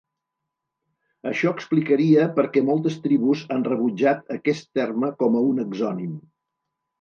Això explicaria per què moltes tribus han rebutjat aquest terme com a un exònim.